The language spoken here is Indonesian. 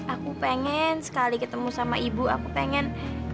aku pengen sekali ketemu sama ibu aku pengen